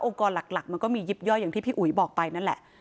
กรหลักมันก็มียิบย่อยอย่างที่พี่อุ๋ยบอกไปนั่นแหละ